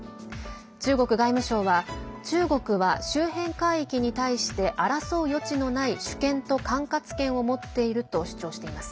中国外務省は中国は周辺海域に対して争う余地のない主権と管轄権を持っていると主張しています。